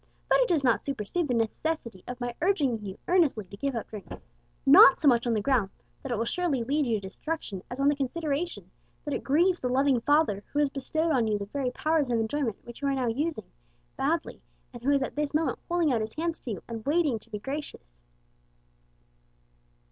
But it does not supersede the necessity of my urging you earnestly to give up drink, not so much on the ground that it will surely lead you to destruction as on the consideration that it grieves the loving Father who has bestowed on you the very powers of enjoyment which you are now prostituting, and who is at this moment holding out His hands to you and waiting to be gracious."